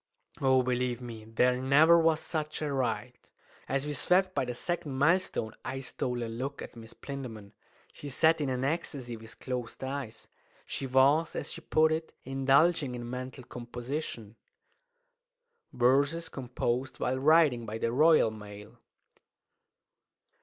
Oh, believe me, there never was such a ride! As we swept by the second mile stone I stole a look at Miss Plinlimmon. She sat in an ecstasy, with closed eyes. She was, as she put it, indulging in mental composition. Verses composed while Riding by the Royal Mail.